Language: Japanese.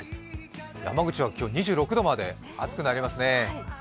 山口は２６度まで、暑くなりますね。